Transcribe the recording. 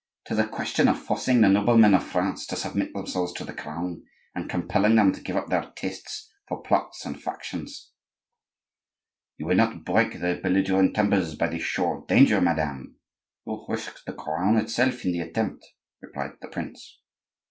'Tis a question of forcing the noblemen of France to submit themselves to the Crown, and compelling them to give up their tastes for plots and factions—" "You will not break their belligerent tempers by the show of danger, madame; you will risk the Crown itself in the attempt," replied the prince.